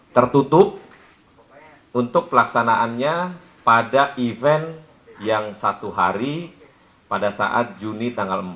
tertutup untuk pelaksanaannya pada event yang satu hari pada saat juni tanggal empat dua ribu dua puluh dua